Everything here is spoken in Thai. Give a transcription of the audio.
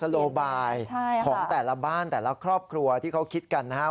โลบายของแต่ละบ้านแต่ละครอบครัวที่เขาคิดกันนะครับ